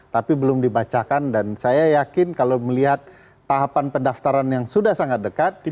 tapi belum dibacakan dan saya yakin kalau melihat tahapan pendaftaran yang sudah sangat dekat